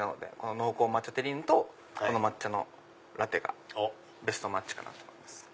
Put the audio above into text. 濃厚抹茶テリーヌとこの抹茶のラテがベストマッチかなと思います。